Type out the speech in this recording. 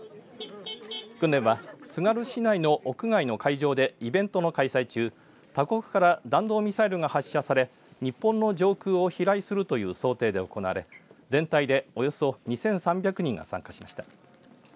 訓練はつがる市内の屋外の会場でイベントの開催中、他国から弾道ミサイルが発射され日本の上空を飛来するという想定で行われ全体でおよそ２３００人が参加しました。